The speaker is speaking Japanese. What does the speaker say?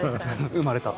生まれた。